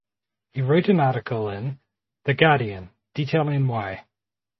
He wrote an article in "The Guardian" detailing why.